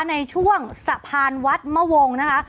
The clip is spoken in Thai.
ในช่วงสะพานวัดมะวงนะคะ